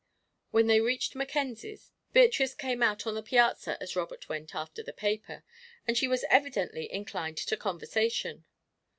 When they reached Mackenzie's, Beatrice came out on the piazza as Robert went in after the paper, and she was evidently inclined to conversation.